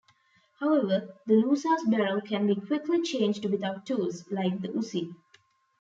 However, the Lusa's barrel can be quickly changed without tools, like the Uzi.